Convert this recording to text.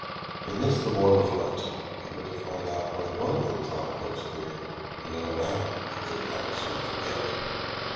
In this the boy was right. They were to find out what it was that Tom Phipps feared, and in a manner that they would not soon forget.